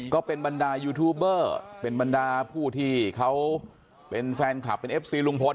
ก็เป็นบรรดายูทูบเบอร์เป็นบรรดาผู้ที่เขาเป็นแฟนคลับเป็นเอฟซีลุงพล